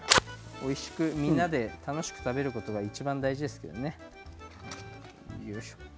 おいしく、みんなで楽しく食べることがいちばん大事ですよね。